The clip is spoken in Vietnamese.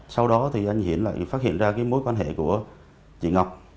sau đó thì anh hiển lại phát hiện ra cái mối quan hệ của chị ngọc